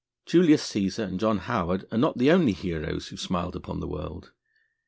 Julius Cæsar and John Howard are not the only heroes who have smiled upon the world.